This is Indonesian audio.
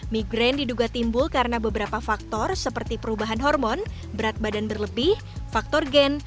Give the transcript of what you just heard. migrain diduga timbul karena beberapa faktor seperti perubahan hormon berat badan berlebih faktor gen